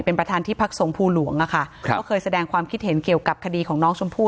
เป็นประธานที่พักสงภูหลวงอะค่ะครับก็เคยแสดงความคิดเห็นเกี่ยวกับคดีของน้องชมพู่